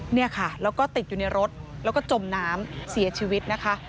เนี่ยค่ะแล้วก็ติดอยู่ในรถแล้วก็จมน้ำเสียชีวิตนะคะ